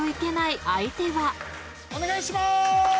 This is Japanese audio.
お願いしまーす！